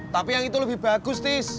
tapi yang itu lebih bagus nih